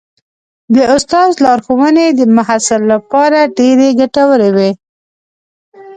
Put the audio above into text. د استاد لارښوونې د محصل لپاره ډېرې ګټورې وي.